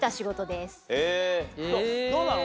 どうなの？